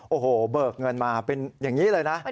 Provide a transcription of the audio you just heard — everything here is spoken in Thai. โอ้โหเบิกเงินมาเป็นอย่างนี้เลยนะ